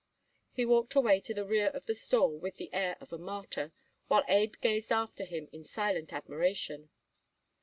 He walked away to the rear of the store with the air of a martyr, while Abe gazed after him in silent admiration.